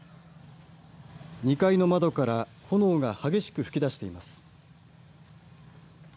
２階の窓から炎が激しく噴き出しています。